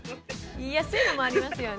言いやすいのもありますよね。